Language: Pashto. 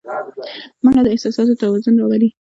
منډه د احساساتو توازن راولي